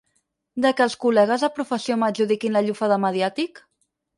¿De que els col·legues de professió m'adjudiquin la llufa de mediàtic?